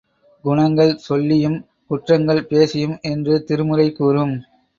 குணங்கள் சொல்லியும் குற்றங்கள் பேசியும் என்று திருமுறை கூறும்.